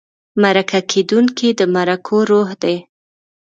مرکه کېدونکی د مرکو روح دی.